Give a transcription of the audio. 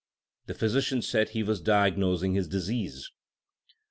The physician said that he was diagnosing his disease.